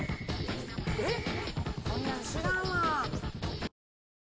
えっ⁉